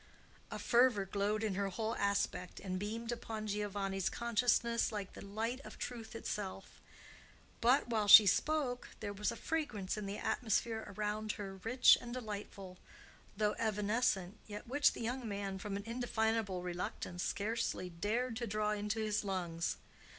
A fervor glowed in her whole aspect and beamed upon Giovanni's consciousness like the light of truth itself; but while she spoke there was a fragrance in the atmosphere around her, rich and delightful, though evanescent, yet which the young man, from an indefinable reluctance, scarcely dared to draw into his lungs.